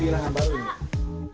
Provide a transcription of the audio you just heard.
bisa jalan bisa jalan